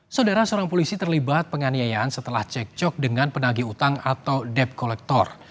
saudara seorang polisi terlibat penganiayaan setelah cekcok dengan penagih utang atau depkolektor